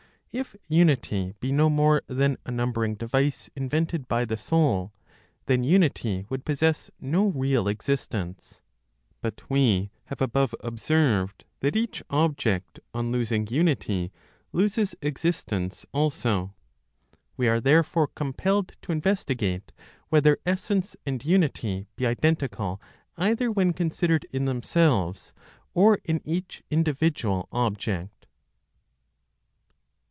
If unity be no more than a numbering device invented by the soul, then unity would possess no real existence. But we have above observed that each object, on losing unity, loses existence also. We are therefore compelled to investigate whether essence and unity be identical either when considered in themselves, or in each individual object.